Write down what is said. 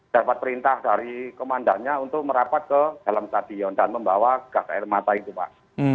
dapat perintah dari komandannya untuk merapat ke dalam stadion dan membawa gas air mata itu pak